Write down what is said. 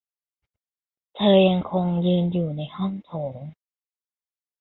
เธอยังคงยืนอยู่ในห้องโถง